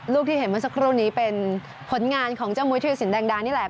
ที่เห็นเมื่อสักครู่นี้เป็นผลงานของเจ้ามุยธิรสินแดงดานี่แหละ